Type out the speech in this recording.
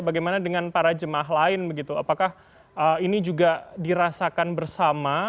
bagaimana dengan para jemaah lain begitu apakah ini juga dirasakan bersama